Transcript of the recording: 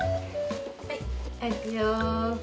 はいはいいくよ。